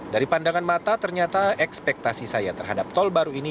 dari pandangan mata ternyata ekspektasi saya terhadap tol baru ini